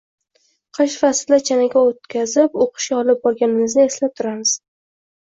Qish faslida chanaga o‘tqazib, o‘qishga olib borganimizni eslab turamiz.